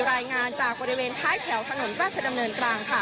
รายงานจากบริเวณท้ายแถวถนนราชดำเนินกลางค่ะ